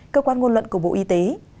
cơ quan ngôn luận của bộ y tế